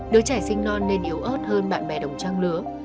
đứa trẻ sinh non nên yếu ớt hơn bạn bè đồng trang lứa